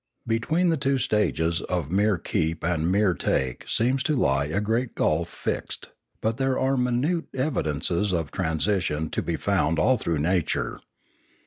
Between the two stages of mere keep and mere take seems to lie a great gulf fixed; but thers are minute evidences of transition to be found all through nature.